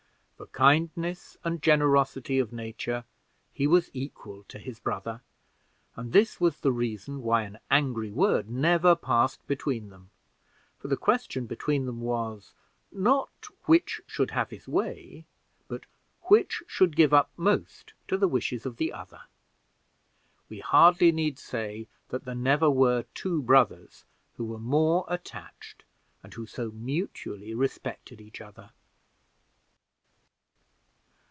For kindness and generosity of nature he was equal to his brother, and this was the reason why an angry word never passed between them; for the question between them was not which should have his way, but which should give up most to the wishes of the other. We hardly need say, that there never were two brothers who were more attached, and who so mutually respected each other.